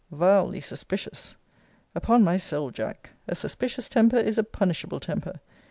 Vilely suspicious! Upon my soul, Jack, a suspicious temper is a punishable temper.